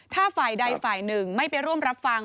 ถ้าฝ่ายใดฝ่ายหนึ่งไม่ไปร่วมรับฟัง